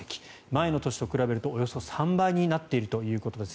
前の年と比べると、およそ３倍になっているということです。